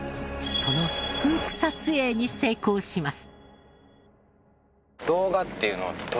そのスクープ撮影に成功します。